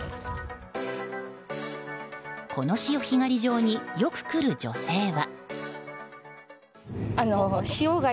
この潮干狩り場によく来る女性は。